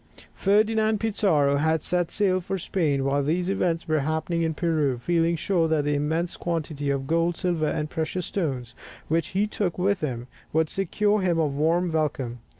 Ferdinand Pizarro had set sail for Spain, while these events were happening in Peru, feeling sure that the immense quantity of gold, silver, and precious stones which he took with him, would secure him a warm welcome.